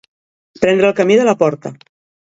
Prendre el camí de la porta.